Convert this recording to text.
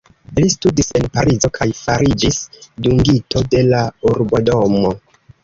Li studis en Parizo kaj fariĝis dungito de la Urbodomo.